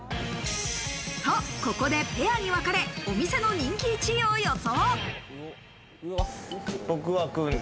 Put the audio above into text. ここでペアに分かれ、お店の人気１位を予想。